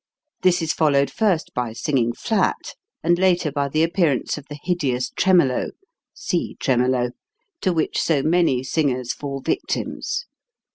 This is followed first by singing flat, and later by the appear ance of the hideous tremolo (see Tremolo) to which so many singers fall victims.